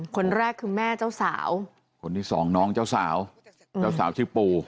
คนแรกคือแม่เจ้าสาวคนที่สองน้องเจ้าสาวเจ้าสาวชื่อปู